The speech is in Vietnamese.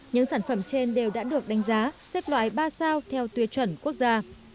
những sản phẩm trên đều đã được đánh giá xếp loại ba sao theo tuyệt chuẩn quốc gia